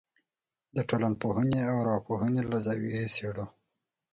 د ټولنپوهنې او ارواپوهنې له زاویې یې څېړو.